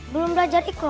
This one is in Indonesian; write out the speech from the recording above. belum belajar ikhlo